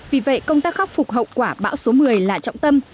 vì vậy công tác khắc phục hậu quả bão số một mươi là trọng tâm